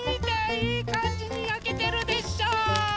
いいかんじにやけてるでしょう？